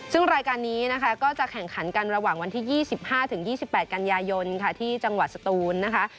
ซึ่งรายการนี้นะคะก็จะแข่งขันกันระหว่างวันที่๒๕๒๘กันยายนค่ะที่จังหวัดสตูนนะคะ